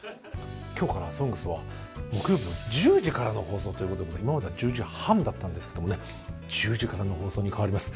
今日から「ＳＯＮＧＳ」は木曜日の１０時からの放送ということで今までは１０時半だったんですけどもね１０時からの放送に変わります。